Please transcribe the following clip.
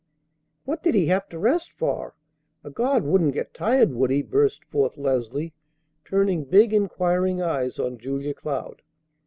"What did He have to rest for? A God wouldn't get tired, would He?" burst forth Leslie, turning big inquiring eyes on Julia Cloud.